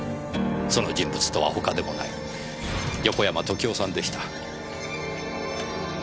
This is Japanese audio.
その人物とは他でもない横山時雄さんでした。